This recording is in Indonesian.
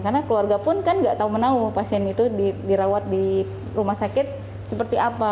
karena keluarga pun kan nggak tahu menahu pasien itu dirawat di rumah sakit seperti apa